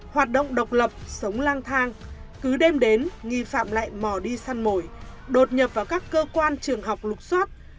hoạt động độc lập sống lang thang cứ đêm đến nghi phạm lại mò đi săn mồi đột nhập vào các cơ quan trường học lục xoát